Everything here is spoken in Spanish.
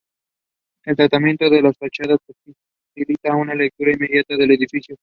El tratamiento de las fachadas posibilita una lectura inmediata del edificio.